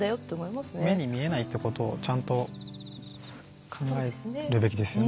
周りが目に見えないってことをちゃんと考えるべきですよね。